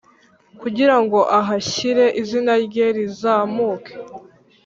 Kugira ngo ahashyire izina rye rizamuke